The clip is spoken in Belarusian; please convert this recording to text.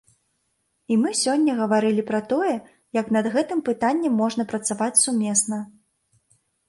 І мы сёння гаварылі пра тое, як над гэтым пытаннем можна працаваць сумесна.